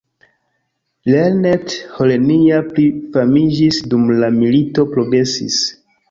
Lernet-Holenia pli famiĝis dum la milito progresis.